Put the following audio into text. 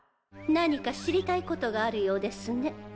何か知りたいことがあるようですね。